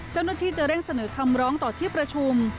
เจ้าหน้าที่จะเร่งเสนอคำร้องต่อที่ประชุม